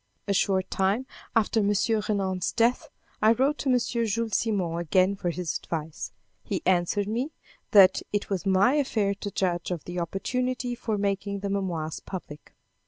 A short time after M. Renan's death, I wrote to M. Jules Simon again for his advice. He answered me, that it was my affair to judge of the opportunity for making the memoirs public.